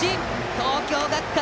東京学館